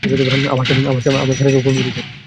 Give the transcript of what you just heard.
আমার ছেলেকেও খুন করেছে।